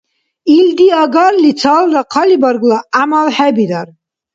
Илди агарли цалра хъалибаргла гӀямал хӀебирар.